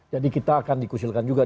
jadi kita akan dikhusilkan juga